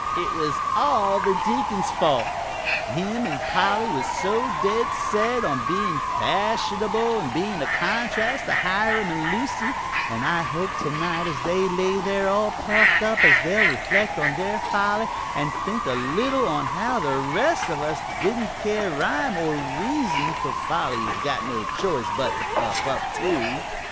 "It was all the deacon's fault. Him an' Polly was so dead set on bein' fashionable an' bein' a contrast to Hiram an' Lucy, an' I hope to night as they lay there all puffed up as they'll reflect on their folly an' think a little on how the rest of us as didn't care rhyme or reason for folly is got no choice but to puff up, too.